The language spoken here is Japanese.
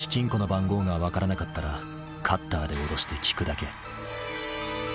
もし金庫の番号が分からなかったら、カッターで脅して聞くだけ。